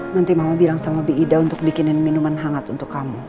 nanti mama bilang sama bida untuk bikinin minuman hangat untuk kamu